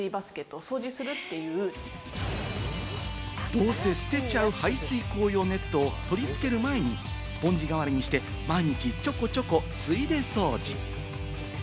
どうせ捨てちゃう排水口用ネットを取り付ける前にスポンジ代わりにして、毎日ちょこちょこ、ついで掃除。